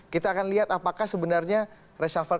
kita akan lihat apakah sebenarnya reshuffle kabinet ini akan berhasil